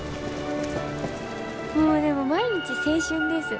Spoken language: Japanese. もうでも毎日青春です。